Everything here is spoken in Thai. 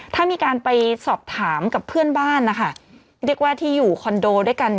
ถ้ามีการไปสอบถามกับเพื่อนบ้านนะคะเรียกว่าที่อยู่คอนโดด้วยกัน